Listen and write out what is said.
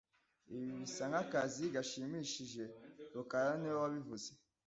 Ibi bisa nkakazi gashimishije rukara niwe wabivuze